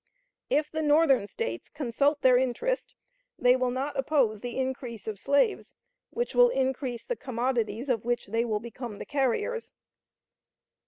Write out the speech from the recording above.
If the Northern States consult their interest, they will not oppose the increase of slaves, which will increase the commodities of which they will become the carriers."